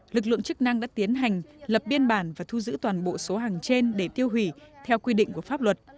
lực lượng chức năng đã tiến hành lập biên bản và thu giữ toàn bộ số hàng trên để tiêu hủy theo quy định của pháp luật